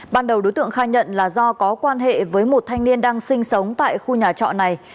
ban đầu đối tượng khai nhận là do có quan hệ với một thanh niên đang sinh sống tại khu nhà trọ này